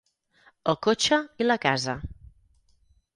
El cotxe i la casa.